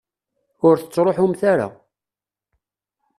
Ur tettruḥumt ara.